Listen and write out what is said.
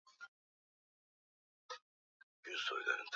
Sasa ninakumbuka.